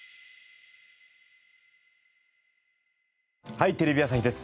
『はい！テレビ朝日です』